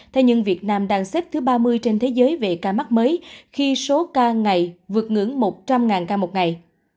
thế nhưng việt nam đang xếp thứ ba mươi trên thế giới về ca mắc mới khi số ca ngày vượt ngưỡng một trăm linh ca một ngày